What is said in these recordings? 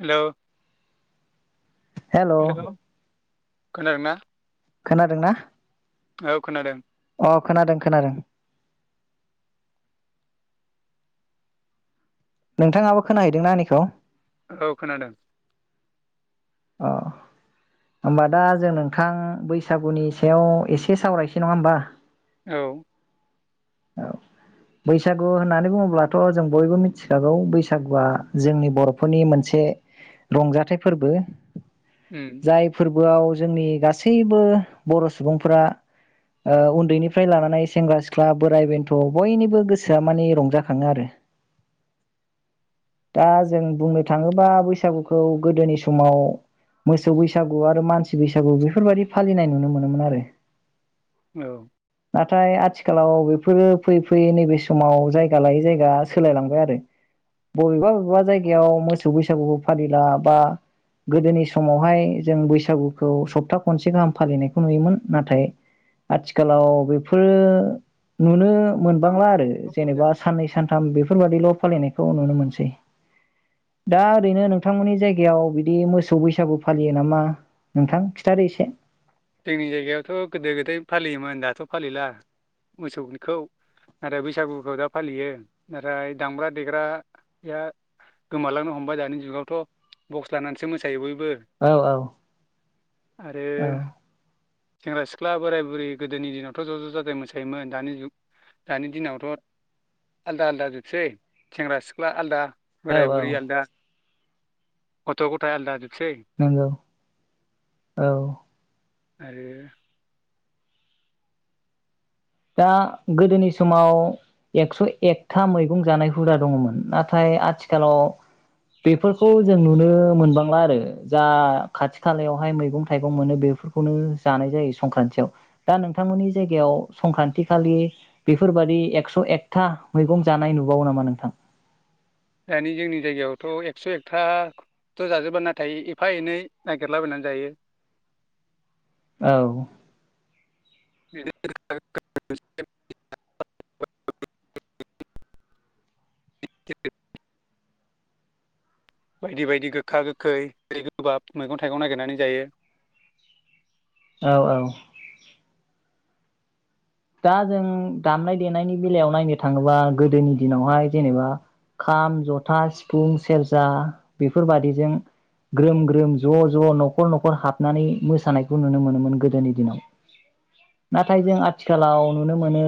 Hello hello खोनादोंना खोनादोंना औ खोनादों अ खोनादों खोनादों नोंथाङाबो खोनाहैदोंना आंनिखौ औ खोनादों अ होमबा दा जों नोंथां बैसागुनि सायाव एसे सावरायसै नङा होमबा औ औ बैसागु होननानै बुङोब्लाथ' जों बयबो मिथिखागौ बैसागुआ जोंनि बर'फोरनि मोनसे रंजाथाइ फोरबो उम जायफोर फोराव जोंनि गासैबो बर' सुबुंफोरा उन्दैनिफ्राय लानानै सेंग्रा सिख्ला बोराइ बेन्थ' बयनिबो गोसोआ मानि रंजाखाङो आरो दा जों बुंनो थाङोबा बैसागुखौ गोदोनि समाव मोसौ बैसागु आरो मानसि बैसागु बेफोरबायदि फालिनाय नुनो मोनोमोन आरो औ नाथाय आथिखालाव बेफोरो फैयै फैयै नैबे समाव जायगा लायै जायगा सोलायलांबाय आरो बबेबा बबेबा जायगायाव मोसौ बैसागुबो फालिला बा गोदोनि समावहाय जों बैसागुखौ सप्ता खनसे गाहाम फालिनायखौ नुयोमोन नाथाय आथिखालाव बेफोरो नुनो मोनबांला आरो जेनेबा साननै सानथाम बेफोरबादिल' फालिनायखौ नुनो मोनसै दा ओरैनो नोंथांमोननि जायगायाव बिदि मोस मोसौ बैसागु फालियो नामा नोंथां खिन्थादो एसे जोंनि जायगायावथ' गोदो गोदाय फालियोमोन दाथ' फालिला मोसौखौ नाथाय बैसागुखौ दा फालियो नाथाय दामग्रा देग्राया गोमालांनो हमबाय दानि जुगावथ' बक्स लानानैसो मोसायो बयबो बो औ औ आरो औ सेंग्रा सिख्ला बोराय बुरै गोदोनि दिनावथ' ज' ज' जाजाय मोसायोमोन दानि जुग दानि दिनावथ' आलादा आलादा जोबसै सेंग्रा सिख्ला आलादा औ बोराय औ बुरि आलदा गथ' गथाय आलदा जोबसै नंगौ औ आरो दा गोदोनि समाव एक्स' एकथा मैगं जानाय हुदा दङमोन नाथाय आथिखालाव बेफोरखौ जों नुनो मोनबांला आरो जा खाथि खालायावहाय मैगं थाइगं मोनो बेफोरखौनो जानाय जायो संक्रान्तयाव दा नोंथांमोननि जायगायाव संक्रान्ति खालि बेफोरबादि एक्स' एकथा मैगं जानाय नुबावो नामा नोंथां दानि जोंनि जायगायावथ' एकस' एकथथ' जाजोबा नाथाय एफा एनै नागिरलाबायनानै जायो औ [unintelligible] [unintelligible] बायदि बायदि गोखा गोखै दै गोबाब मैगं थाइगं नागिरनानै जायो औ औ दा जों दामनाय देनायनि बेलायाव नायनो थाङोबा गोदोनि दिनावहाय जेनेबा खाम जथा सिफुं सेरजा बेफोरबादिजों ग्रोम ग्रोम ज' ज' न'खर न'खर हाबनानै मोसानायखौ नुनो मोनोमोन गोदोनि दिनाव नाथाय जों आथिखालाव नुनो मोनो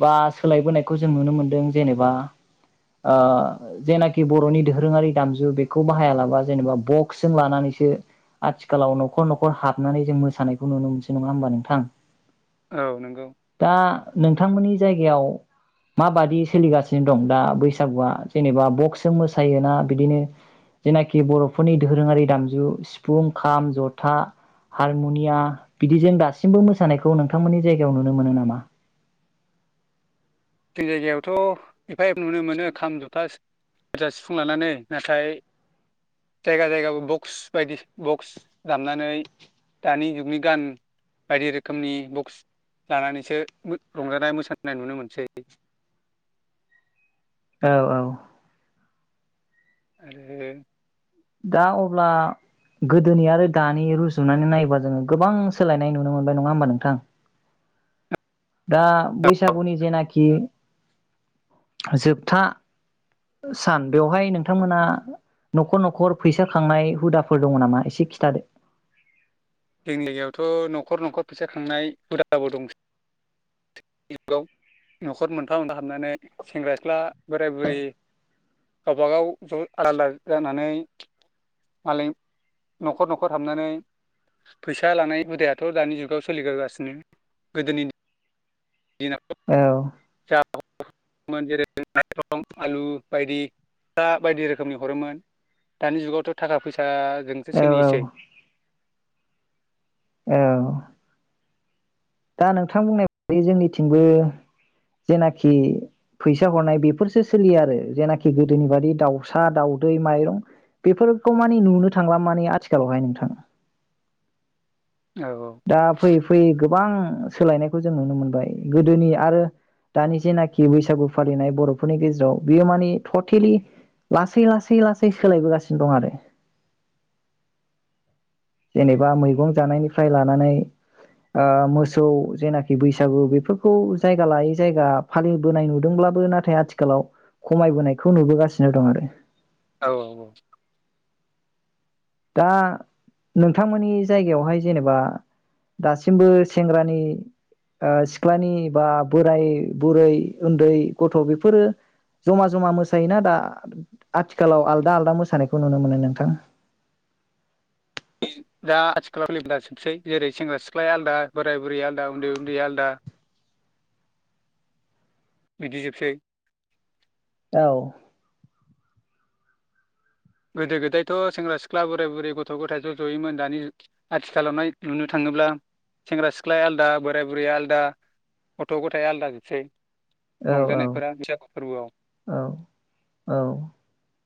बा सोलायबोनायखौ जों नुनो मोनदों जेनेबा ओ जेनाखि बर'नि दोरोङारि दामजु बेखौ बाहायालाबा जेनेबा बक्सजों लानानैसो आथिखालाव न'खर न'खर हाबनानै जों मोसानायखौ नुनो मोनसै नङा होनबा नोंथां औ नंगौ दा नोंथांमोननि जायगायाव मााबादि सोलिगासिनो दं दा बैसागुआ जेनेबा बक्स जों मोसायोना बिदिनो जेनाखि बर'फोरनि दोरोङारि दामजु सिफुं खाम जथा हारमुनिया बिदिजों दासिमबो मोसानायखौ नोंथांमोननि जायगा याव नुनो मोनो नामा जों जायगायावथ' एफा एफा नुनो मोनो खाम जथा बुरजा सिफुं लानानै नाथाय जायगा जायगाबो बक्स बायदि बक्स दामनानै दानि जुगनि गान बायदि रोखोमनि बक्स लानानैसो रंजानाय मोसानाय नुनो मोनसै [inaudible] औ औ आरो दा अब्ला गोदोनि आरो दानि रुजुनानै नायोबा जोङो गोबां सोलायनाय नुनो मोनबाय नङा होमबा नोंथां दा बैसागुनि जेनाखि जोबथा सान बेवहाय नोंथांमोना न'खर न'खर न'खर फैसा खांनाय हुदाफोर दङ नामा एसे खिथादो जों लागायावथ' न'खर न'खर फैसा खांनाय हुदाबो दंसै आव न'खर मोनफा मोनफा हाबनानै सेंग्रा सिख्ला बोराय बुरि गावबाागाव ज' आदा आदा जानानै मालाय न'खर न'खर हाबनानै फैसा लानाय हुदायाथ' दानि जुगाव सोलिगोगासिनो गोदोनि दिनाव औ जेरै माइरं आलु बायदि फा बायदि रोखोमनि हरोमोन दानि जुगावथ' थाखा फैसा जोंसो औ सोलिसै औ औ दा नोंथां बुंनाय बदि जोंनिथिंबो जेनाखि फैसा हरनाय बेफोरसो सोलिया आरो जेनाखि गोदोनि बादि दाउसा दाउदै माइरं बेफोरखौ मानि नुनो थांला मानि आथिखालावहाय नोंथां औ दा फैयै फैयै बां सोलायनायखौ जों नुनो मोनबाय गोदोनि आरो दानि जेनाखि बैसागु फालिनाय बर'फोरनि गेजेराव बियो मानि टटेलि लासै लासै लासै सोलायबोगासिनो दं आरो जेनेबा मैगं जानायनिफ्राय लानानै ओ मोसौ जेनाखि बैसागु बेफोरखौ जायगा लायै जायगा फालिबोनाय नुदोंब्लाबो नाथाय आथिखालाव खमायबोनायखौ नुबोगासिनो दं आरो औ औ दा नोंथांमोननि जायगायावहाय जेनेबा दासिमबो सेंग्रानि ओ सिख्लानि बा बोराय बुरै उन्दै गथ' बेफोरो जमा जमा मोसायोना दा आथिखालाव आलदा आलदा मोसानायखौ नुनो मोनो नोंथां दा आथिखालाव फ जोबसै जेरै सेंग्रा सिख्लाया आलादा बोराय बुरि आलादा उन्दै उन्दै आलादा बिदिजोबसै औ गोदो गोदायथ' सेंग्रा सिख्ला बोराय बुरै गथ' गथायाइ ज' ज'यैमोन दानि आथिखालावहाय नुनो थाङोब्ला सेंग्रा सिख्लाया आलादा बोराय बुरैया आलादा गथ' गथायाइ आलादा जोबसै औ औ औ औ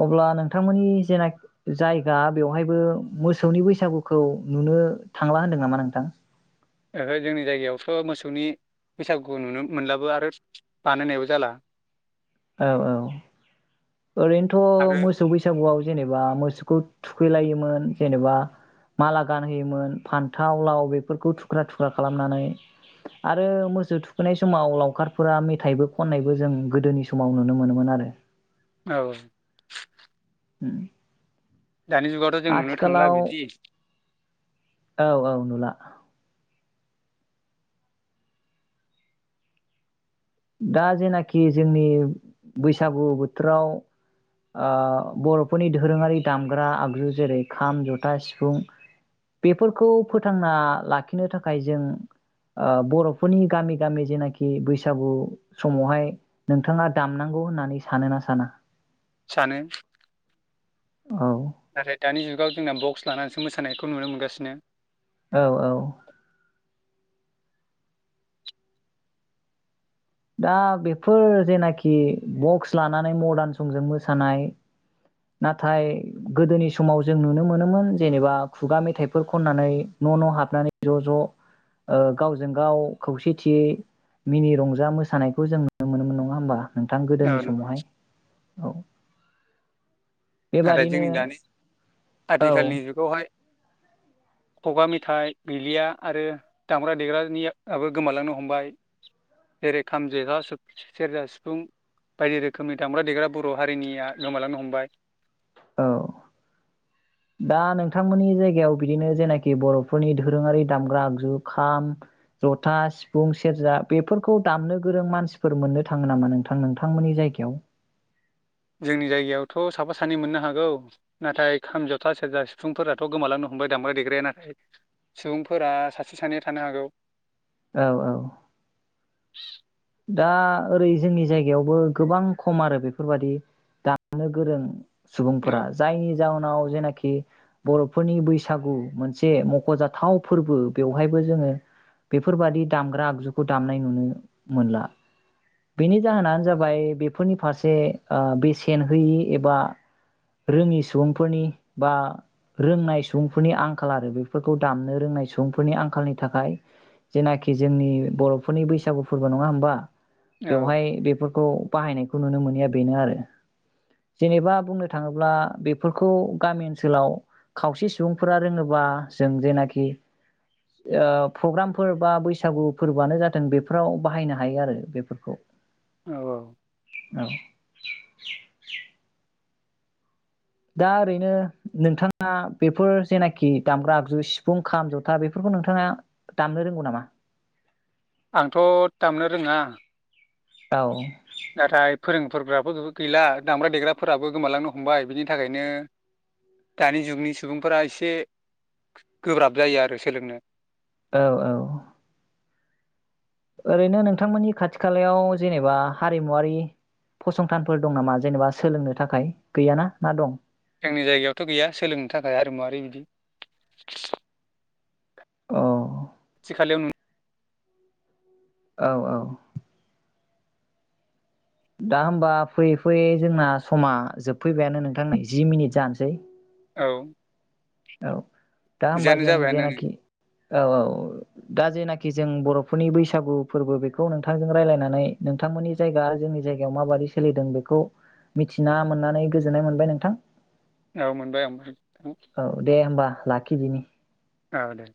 अब्ला नोंथांमोननि जेनाख जायगा बेवहायबो मोसौनि बैसागुखौ नुनो थांला होनदों नामा नोंथां जोंनि जायगायावथ' मोसौनि बैसागुखौ नुनो मोनलाबो आरो बानायनायबो जाला औ औ ओरैनोथ' आरो मोसौ बैसागुआव जेनेबा मोसोखौ थुखै लायोमोन जेनेबा माला गानहोयोमोन फान्थाव लाव बेफोरखौ थुख्रा थुख्रा खालामनानै आरो मोसो थुखैनाय समाव लावखारफोरा मेथायबो खननायबो जों गोदोनि स समाव नुनो मोनोमोन आरो औ उम दानि जुगावथ' जों नुनो थांला आथिखालाव बिदि औ औ नुला दा जेनाखि जोंनि बैसागु बोथोराव ओ बर'फोरनि दोरोङारि दामग्रा आगजु जेरै खाम जथा सिफुं बेफोरखौ फोथांना लाखिनो थाखाय जों ओ बर'फोरनि गामि गामि जेनाखि बैसागु समावहाय नोंथाङा दामनांगौ होननानै सानो ना साना सानो औ नाथाय दानि जुगाव जोंना बक्स लानानैसो मोसानायखौ नुनो मोनगासिनो औ औ दा बेफोर जेनाखि बक्स लानानै मदार्न संजों मोसानाय नाथाय गोदोनि समाव जों नुनो मोनोमोन जेनेबा खुगा मेथाइफोर खननानै न' न' हाबनानै ज' ज'ओ गावजों गाव खौसेथियै मिनि रंजा मो सानायखौ जों नुनो मोनोमोन नङा होमबा नोंथां गोदोनि औ नंगौ। समावहाय औ नाथाय बेबादिनो जोंनि दानि औ आथिखालनि जुगावहाय खुगा मेथाइ गैलिया आरो दामग्रा देग्रानियाबो गोमालांनो हमबाय जेरै खाम जेखा सेरजा सिफुं बायदि रोखोमनि दामग्रा देग्रा बर' हारिनिया गोमालांनो हमबाय औ दा नोंथांमोननि जायगायाव बिदिनो जेनाखि बर'फोरनि दोरोङारि दामग्रा आगजु खाम जथा सिफुं सेरजा बेफोरखौ दामनो गोरों मानसिफोर मोननो थाङो नामा नोंथां नोंथांमोननि जायगायाव जोंनि जायगायावथ' साफा सानै मोननो हागौ नाथाय खाम जथा सेरजा सुबुंफफोराथ' गोमालांनो हमबाय दामग्रा देग्राया नाथाय सुबुंफोरा सासे सानैया थानो हागौ औ औ [inaudible] दा ओरै जोंनि जायगायावबो गोबां खम आरो बेफोरबायदि दामनो गोरों औ सुबुंफोरा जाय जाउनाव जेनाखि बर'फोरनि बैसागु मोनसे मख'जाथाव फोरबो बेवहायबो जोङो बेफोरबादि दामग्रा आगजुखौ दामनाय नुनो मोनला बेनि जाहोनानो जाबाय बेफोरनि फारसे बेसेन होयि एबा रोङि सुबुंफोरनि बा रोंनाय सुबुंफोरनि आंखाल आरो बेफोरखौ दामनो रोंनाय सुबुंफोरनि आंखालनि थाखाय जेनाखि जोंनि बर'फोरनि बैसागु फोरबा नङा होमबा औ बेवहाय बेफोरखौ बाहायनायखौ नुनो मोनिया बेनो आरो जेनेबा बुंनो थाङोब्ला बेफोरखौ गामि ओनसोलाव खावसे सुबुंफोरा रोङोबा जों जेनाखि प्रग्रामफोर बा बैसागु फोरबोआनो जाथों फ्राव बाहायनो हायो आरो बेफोरखौ औ औ दा ओरैनो नोंथाङा बेफोर जेनाखि दामग्रा आगजु सिफुं खाम जथा बेफोरखौ नोंथाङा दामनो रोंगौ नामा आंथ' दामनो रोङा औ नाथाय फोरोंफोरग्राबो गैला दामग्रा देग्राफोराबो गोमालांनो हमबाय बिनि थाखायनो दानि जुगनि सुबुंफोरा एसे गोब्राब जायो आरो सोलोंनो औ औ ओरैनो नोंथांमोननि खाथि खालायाव जेनेबा हारिमुवारि फसंथानफोर दं नामा जेनेबा सोलोंनो थाखाय गैयाना ना दं जोंनि जायगायावथ' गैया सोलोंनो थाखाय हारिमुआरि बिदि [inaudible] औ खाथि खालायाव नुयो। औ औ दा होमबा फैयै फैयै जोंना समा जोबफैबायानो नोंथां जि मिनिट जानोसै। औ औ दा हमबा बिदियानो जों जाबायानो नै जेनाखि औ औ दा जेनाखि आरोखि जों बर'फोरनि बैसागु फोरबो बेखौ नोंथांजों रायलायनानै नोंथांमोननि जायगा जोंनि जायगायाव माबादि सोलिदों बेखौ मिथिना मोननानै गोजोननाय मोनबाय नोंथां औ मोनबाय ओमफ्राय औ दे होमबा लाखिदिनि औ दे